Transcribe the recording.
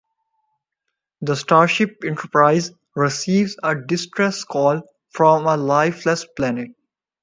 The starship "Enterprise" receives a distress call from a lifeless planet.